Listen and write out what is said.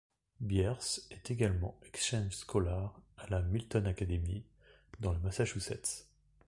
Byers est également exchange scholar à la Milton Academy, dans le Massachusetts.